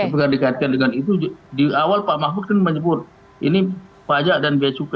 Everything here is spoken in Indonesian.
tapi kalau dikaitkan dengan itu di awal pak mahfud kan menyebut ini pajak dan bacuk